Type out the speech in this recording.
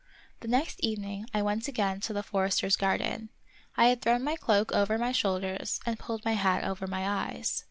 The next evening I went again to the forester's garden. I had thrown my cloak over my shoulders and pulled my hat over my eyes.